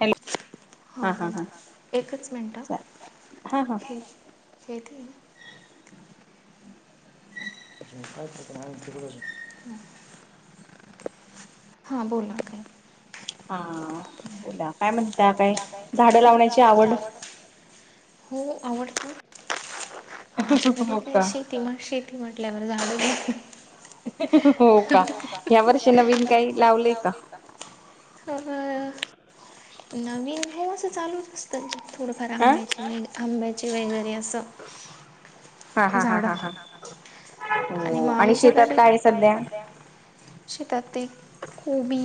Hello हां बोला एकच मिनटं हे- हे ते ना [unintelligible] [unintelligible] हां बोला काय हा बोला काय म्हणता काय, झाडं लावण्याची आवड हो आवडत [inaudible] माझ्याकड काय अशी. मग शेती म्हटल्यावर झाड [unintelligible] [inaudible] [inaudible] हो का या वर्षी नवीन काय लावलंय का? हा [unintelligible] नवीन हो असं चालूच असतं थोडंफार आंब्याचे [unintelligible] व आंब्याचे वगैरे असं. हा -हा- हा- हा -हा. आणि मग आमच्याकडे [unintelligible] काय आहे सध्या? शेतात ते कोबी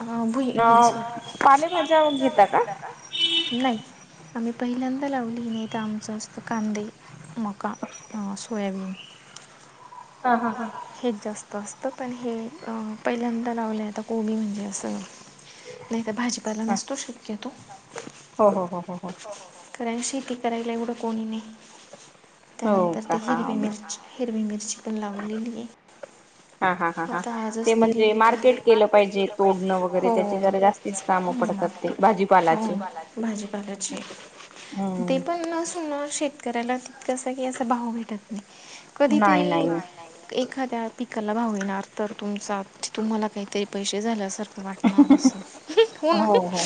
आ भुई [unintelligible] पाणी [unintelligible] देता का? नाही. आम्ही पहिल्यांदा लावली नाही तर आमचं असतं कांदे, मका, अ सोयाबीन. हा- हा. हेच जास्त असतं पण हे पहिल्यांदा लावलं आता कोबी म्हणजे असं [inaudible] नाही तर भाजीपाला नसतो शक्यतो. हो -हो -हो -हो -हो. कारण शेती करायला एवढं कोणी नाही त्यानंतर ते हिरवी मिरची, हिरवी मिर्ची पण लावलेलीये. होता आजच नेली विकायला. मार्केट केलं पाहिजे [unintelligible] हो-हो [unintelligible] भाजीपालाचे ते पण अस शेतकऱ्याला तितकासा अस की असा भाव भेटत नाही कधी तरी, नाही -नाही. एखाद्या पिकाला भाव येणार तर तुमचा -तुम्हाला काहीतरी पैसे झाल्यासारखं वाट [inaudible] हो -हो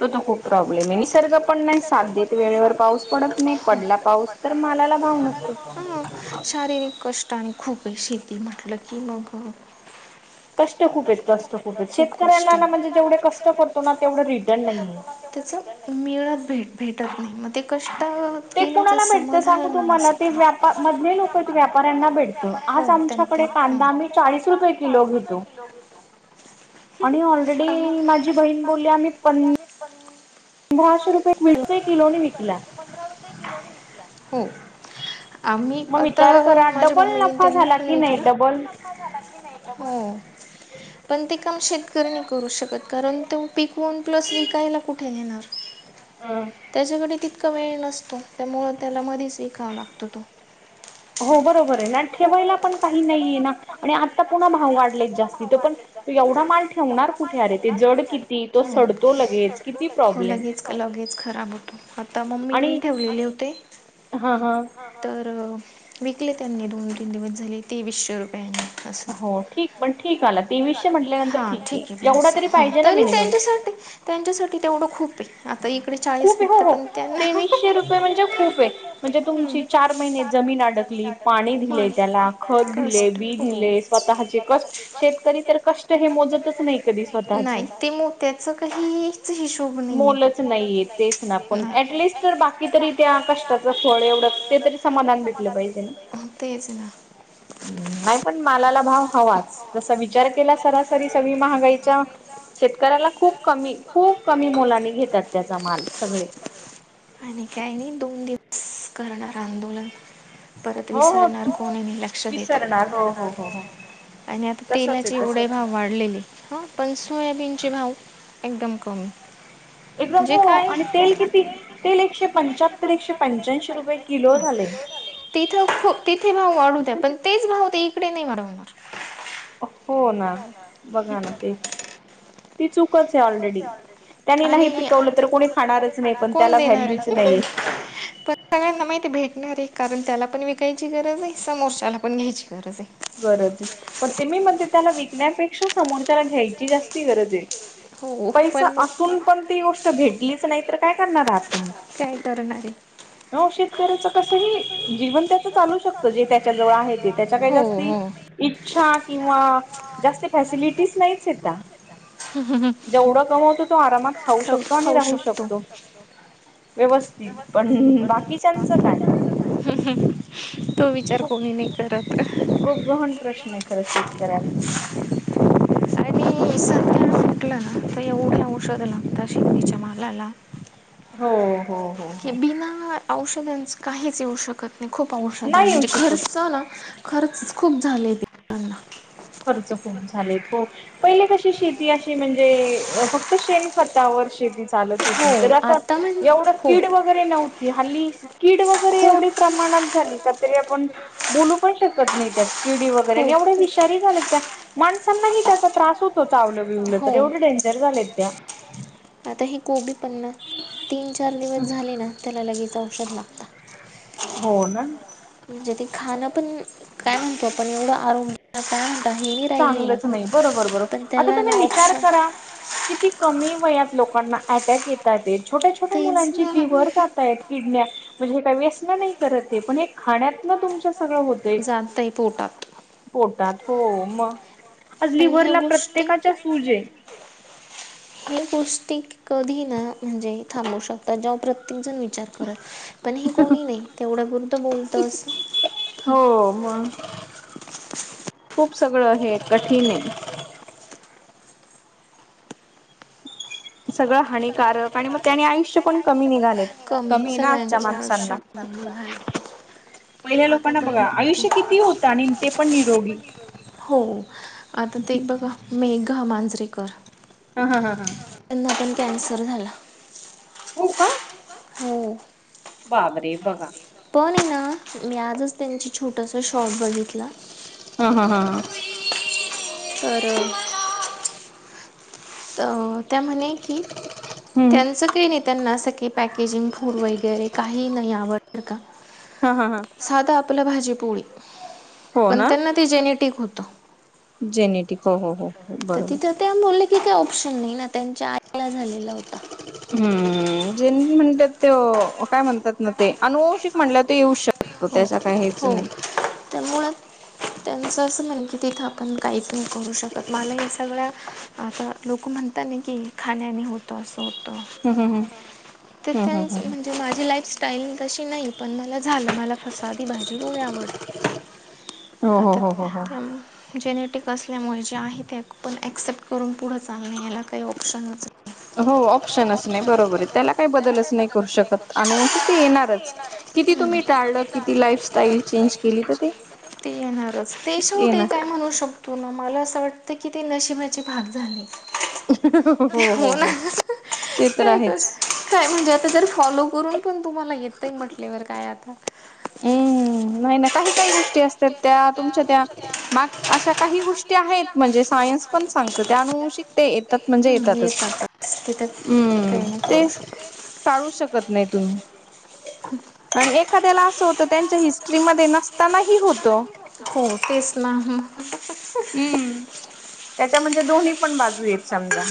तो तर खूप प्रॉब्लेम आहे, निसर्ग पण नाही साथ देत. वेळेवर पाऊस पडत नाही, पडला पाऊस तर मालाला भाव नसतो. [unintelligible] शारीरिक कष्ट आणि खूपये शेती म्हटलं की मग, कष्ट खूप आहेत -कष्ट खूप आहेत, शेतकऱ्यांना ना म्हणजे जेवढे कष्ट पडतो ना तेवढं रिटर्न नाहीये. त्याच मिळत, भेट -भेटत नाही मग ते कष्ट ते कुणाला भेटत सांगू तुम्हाला, ते व्यापा -मधले लोक आहेत व्यापाऱ्यांना भेटत. आज आमच्याकडे कांदा आम्ही चाळीस रुपये किलो घेतो. आणि ऑलरेडी माझी बहीण बोलली आम्ही प मी पण [unintelligible] म सातशे रुपये किलो झाल म्हणजे, म्हणजे पंधरा रुपये किलोनी विकला हो. आम्ही आता- माझ्या मम्मीने त्यांनी पण घेतला. [unintelligible] [unintelligible] पण ते काम शेतकरी नाही करू शकत. कारण त पिकवून प्लस विकायला कुठे नेणार. हा [unintelligible] त्याच्याकडे तितका वेळ नसतो त्यामुळं त्याला मधीच विकावा लागतो तो. हो बरोबर आहे आणि ठेवायला पण काही नाहीये ना. आणि आता पुन्हा भाव वाढलेत, जास्ती तर पण तू एवढा माल ठेवणार कुठे? अरे ते जड कि तो सडतो लगेच किती प्रॉब्लेम. लगेच खराब होतो, आता मम्मीने ठेवलेले होते. हा तर विकले त्यांनी दोन -तीन दिवस झाले तेवीसशे रुपयांनी. [unintelligible] हा ठीक आहे ब अस हा तरी त्यांच्यासाठी. त्यांच्यासाठी तेवढं खूप ये. खूप हो -हो तेवीसशे रुपये म्हणजे खूप आहे म्हणजे तुमची चार महिने जमीन अडकली पाणी दिलेय त्याला. खत दिले, बी दिले स्वतःचे कष्ट -शेतकरी तर कष्ट हे मोजतच नाही कधी स्वतःचे. ते मोत्याचं काही हिशोभ मोलच नाहीये तेच ना पण एठलीस्त तर बाकी तरी त्या कष्टात काष्टा चा फळ एवढं ते तरी समाधान भेटलं पाहिजे तेच आहे ना ह् नाही पण मालाला भाव हवाच जस विचार केला सरासरी सगळी महागाईच्या शेतकऱ्याला खूप कमी खूप कमी मुलानी घेतात त्याचा माल सगळे आणि काय नाही दोन दिवस करणार आंदोलन परत विसरणार कोण लक्ष आता तेलाचे एवढे भाव वाढलेली पण सोयाबीनची भाव एकदम कमी एकदा हो आणि तेल किती तेल एकशे पंच्याहत्तर एकशे पंच्याऐंशी रुपये किलो झाले तिथं खू तिथे भाऊ वाढूत्या पण तेच भाऊ ते इकडे नाही वाढवणार हो ना बघा ना तेच ती चूकच आहे ऑलरेडी त्यांनी नाही पिकवलं तर कोणी खाणारच नाही पण त्याला व्हॅल्यू स् नाही सगळ्यांना माहिती भेटणार आहे कारण त्याला पण विकायची गरज आहे समोरच्याला पण घ्यायची गरज आहे गरज आहे पण ते मी मण त्याला विकण्यापेक्षा समोरच्याला घ्यायची जास्ती गरज आहे पैसा असून पण ती गोष्ट भेटलीच नाही तर काय करणार आहात तुम्ही काय करणारे हो शेतकऱ्याच कसही जीवन त्याच चालू शकतं जे त्याच्या जवळ आहे ते त्याच्या काय जास्त इच्छा किंवा जास्त फॅसिलिटीज नाहीच त्या जेवढं कमवतो तो आरामात खाऊ शकतो आणि राहू शकतो व्यवस्थित पण बाकीच्यांचं काय तो विचार कोणी नाही करत खूप गहन प्रश्न आहे खरं शेतकऱ्यांचा आणि इर टाकला ना तर एवढ्या औषध लागतात शेतीच्या मालाला की बिना औषधांच काहीच येऊ शकत खूप औषात म्हणजे खर्च ना खर्च खूप झाले [inaudible] खर्च खूप झाले हो पहिले कशी शेती अ म्हणज फक्त शेण खतावर शेती चालत होती बरं एवढ कीड वगैरे नव्हती हल्ली कीड वगैरे एवढ प्रमाणात झा ली कारी आपण बोलू पण शकत नाहीत यात केळी वगैरेवढ तरी झाल्या त्या माणसांनाही त्याचा त्रास होतो चावलं बिवलं तर एवढं डेंजर झालेत त्या आता हे कोबी पण्ना तीन चार दिवस झाले ना त्याला लगेच औषध लागत हो ना म्हणे त खाणं पण काय म्हणतो आपण एवढं आरोग्य चांग चांगलंच नाही बरोबर बरोबर आता तुम्ही विचार करा किती कमी वयात लोकांना अटॅक येतात. छोट्या छोट्या मुलांची लिव्हर जात आहेत. किडण्या म्हणजे हे काही व्यसन नाही करत पण हे खाण्यातन तुमच्या सगळं होतंयं. पोटात हो मग आज लिव्हरला प्रत्येकाच्या सूज आहे. हे गोष्टी कधी ना म्हणजे थांबू शकतात. जेव्हा प्रत्येक जण विचार करल पण हे कोणी नाही तेवढ्या पुुरतं बोलतं असं. हो मग खूप सगळं आहे कठीण आहे. कठीण आहे. सगळं हानिकारक आणि मग त्याने आयुष्य पण कमी निघालेत. कमी ना आजच्या माणसांना. पहिल्या लोकांना बघा आयुष्य किती होत आणि ते पण निरोगी. हो आता ते बघा मेघा मांजरेकर. अ हा ह. त्यांना पण कॅन्सर झाला. हो का. बाबरे बघा. पण आहे ना, मी आजच त्यांची छोटस शॉट बघितला. अ हां हां. [inaudible] त त्या म्हणे की त्यांच काही नाही त्यांना असं का पॅकेजिंग फूड वगैरे, काही नाही आवड का. [unintelligible] हा हा हा. साधं आपलं भाजी, पोळी पण त्यांना ते जेनेटिक होत. जेनेटिक तर तिथं [unintelligible] त्या मुले कि [unintelligible] कायं ऑप्शन नाही ना त्यांच्या आईला झालेला होता. हम्म जेनेली म्हणतात ते वो काय म्हणतात ना, ते अनुवांशिक म्हणलं त येऊ शक तो तसा [unintelligible] काही हेच नाही. त्यांचं असं म्हण की तिथं आपण काहीच नाही करू शकत मला हे सगळ्या आता लोकं म्हण तानी की खाण्याने होतो असं होत. तो त्यांस [unintelligible] की म्हणजे माझी लाईफ स्टाईल तशी नाही पण मला झालं मला फ साधं भाजीपोळी आवड ते. हो हो हो हो हो. जेनेटिक असल्यामुळे जे आहे त्यात पण ऍक्सेप्ट करून पुढे चालणे याला काही ऑप्शनच हो ऑप्शनच नाही बरोबर आहे त्याला काही बदलच नाही करू शकत अनुवंशी ते येणारच. हम्म हम्म किती तुम्ही टाळलं किंवा [unintelligible] लाईफस्टाईल चेंज केली तरं ती येणारच. ते शेवटी काय म्हणू शकतो ना, मला असं वाटतं की ते नशिबाचे भाग झाले. ते हो ना. काय कर काय म्हणजे आता जरं फॉलो करून पण तुम्हाला येतय म्हटल्यावर काय आता. हम्म नाही ना काही काही गोष [unintelligible] गोष्टी असतांत त्यां तुमच्या त्यां माग अशा कांहीं गोष्टीं आहेंत म्हणजे सायन्स पणं सांगतं त्यां अनुवंशीक ते येतांत म्हणजे येतांतच हम्मं ते टाळू शकतं नाहीं तुम्हीं आणि एखाद्याला आसं चे होत त्यांच्या हिस्टरी मध्ये नसतांना त्याला ही होत हो तेच ना. अम्म याच्या म्हणजे दोन्ही पण बाजू हेत समजा.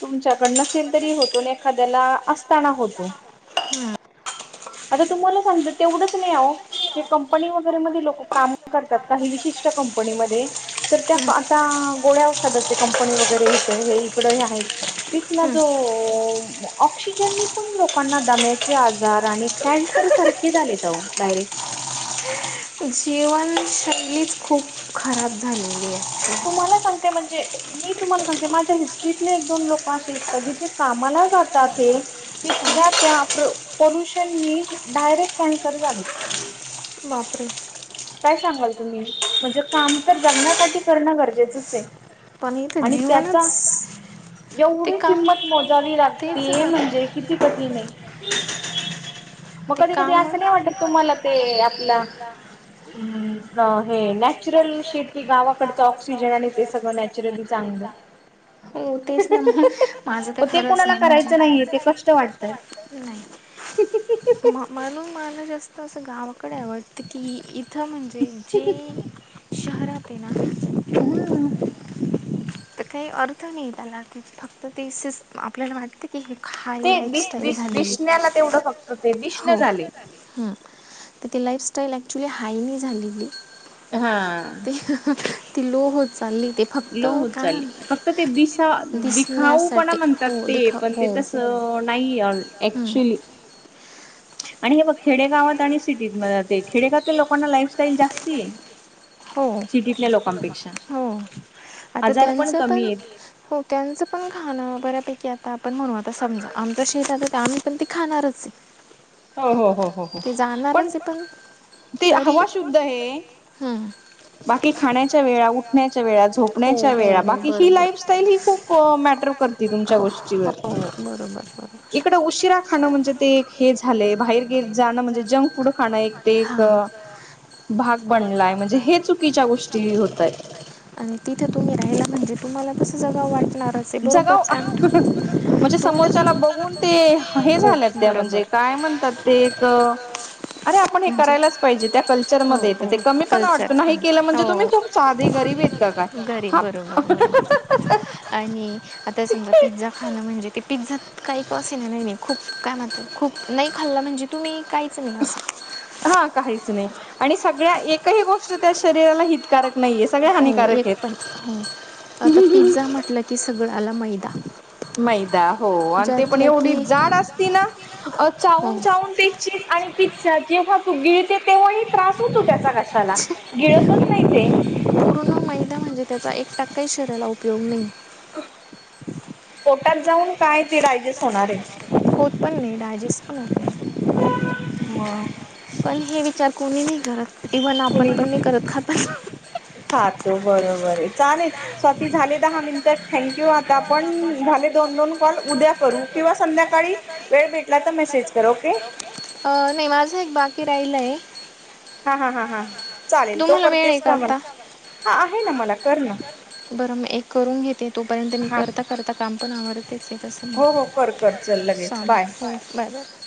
तुमच्याकड नसेल तरी होतो आणि एखाद्याला असताना होतो. [inaudible] आता तुम्हाला सांगते तेवढच नाही आओ हेकंपनी वगैरे, मध्ये लोक काम करतात काहीवीश विशिष्ट कंपनीमध्ये. तरं त्यां आता गोळ्या औषधांचे कंपनी वगैरे, ईथ हे इकडं ही आहेत. तिथला जो ऑक्सिजनी पणं लोकांनां दम्याचे आजार आणि कॅन्सर सारखें झालेत अहो डायरेक्ट जीवनं शैली [unintelligible] हीचं खूप खराब झालेली आहे. [unintelligible] तुम्हांला सांगते म्हणजे मी तुम्हांला सांगते माझ्यां हिस्ट्रीतले एक दोन लोकं अशे हेत का जिथे कामांला जातांत हे. तिथल्यां त्यां प्रो पोल्युषनी डायरेक्टं कॅन्सर झालेत. बापरे. कायं सांगाल तुम्हीं म्हणजे काम तरं जगण्यांसांठी करणं गरजेचंच हे. पणं इथं जीवनचं एवढी किंमत मोजावी लागते म्हणजे किती कठीण ये? ते काम असं नाही, वाटतं तुम्हांला ते आपलं हं हे नॅचरल शेती गावाकडचं ऑक्सिजन आणि ते सगळं नॅचरली चांगलं [inaudible] अह ह ह पण ते कोणालां करायचं नाहीये ते कष्टं वाटतं. [unintelligible] म म्हणून मला जास्तं असं गावांकडे आवडते की, इथं म्हणजे जे शहरांत आहे ना हम्म! तरं काही अर्थ नाही त्याला, फक्तं ते असंच आपल्याला वाटते. [unintelligible] हाय लाईफ स्टाईल झालेली. फक्त ते हो हम्म! तर ते लाईफ स्टाईल ऍक्च्युली हाय नाही झालेली. हा. ते अह ह ती लो होतं चालले ते. लो होतं चालली, फक्तं ते दिसां- दिखाऊ पणा म्हणतात ते पणं ते तसं तसं नाही एक्चुली. आणि हे बघ खेडेगावात आणि सिटीत मध्ये ते खेडे गावातील लोकांना लाईफस्टाईल जास्ती ये. सिटीतल्या लोकांपेक्षा आजार पण कमी ये. त्यांच पण खाणं बऱ्यापैकी आता आपण म्हणू, आता समजा आमचं शेत आहे, तर आम्ही पण खाणारचं. हो हो हो हो पणं ते हवा शुद्ध आहे. बाकी खाण्याच्या, वेळा उठण्याच्या वेळा, झोपण्याच्या वेळा बाकी ही लाईफ स्टाईल ही खूप मॅटर करते. ते तुमच्यां गोष्टींवर इकडं ते उशिरां खाणं म्हणजे, ते हे झालंय बाहेर [unintelligible] म्हणजे, जंफफूड खाणं एक ते गं. भाग पडलांय म्हणजे, हे चुकीच्या गोष्टी होत आहे. आणि तिथे तुम्ही राहिल्या, म्हणजे तुम्हाला तसं जगावं वाटतयं. जगावं म्हणजे समोरच्याला बघून, ते हे झालेत त्या म्हणजे काय म्हणतात? त ते गं. अरे! आपण हे करायलाच पाहिजे, त्या कल्चरमध्ये येत ते, कमी पणा वाटतो ना हे केलं म्हणजे, तुम्ही साधी गरीब आहेत, का काय? हा अह ह अह आणि आता समजा पिझ्झा खाणं म्हणजे, ते पिझ्झा काही [unintelligible] नाही खूप का म खूप नाही खाल्ला म्हणजे, तुम्ही काहीच नाही असं. हा काहीच नाही, आणि सगळ्या एकही गोष्ट त्या शरीराला हितकारक नाही. हो, एक पण हो आता पिझ्झा म्हटलं, की सगळा आला मैदा. मैदा हो, आणि ते पण एवढी जाड असती ना चावून चावून ती चिज आणि पिझ्झा जेव्हा तू गिळते, तेव्हाही त्रास होतो त्याचा घशायाला गिळतच नाही ते ते पूर्ण मैदा म्हणजे, त्यांचा एक टक्का ही शरीराला उपयोग नाही. पोटात जाऊन काय, ते डायजेस्ट होणार आहे. होत पण नाही, डायजेस्ट पण होत नाही. म पण, हे विचार कोणी नाही करत. कुणी नाही, खातो बरोबर आहे चालेल. स्वाती झाले दहा मिनिट थँक्यू आता, आपण झाले दोन- दोन कॉल उद्या उद्या करू किंवा संध्याकाळी वेळ भेटला, तर मेसेज कर ओके! अ नाही माझं एक बाकी राहिलंय. हा हा हा हा चालेल तो करतेस, का मला हा आहे ना मला बरं मग एक करून घेते तोपर्यंत, मी करता करता काम पण आवरते. ठीक आहे मग चालेल बाय बाय बाय.